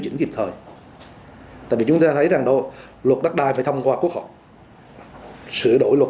chỉnh kịp thời tại vì chúng ta thấy rằng luật đất đai phải thông qua quốc hội sửa đổi luật